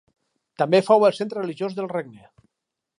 També fou el centre religiós del regne.